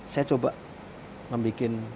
saya coba membuat